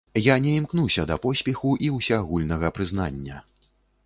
Я не імкнуся да поспеху і ўсеагульнага прызнання.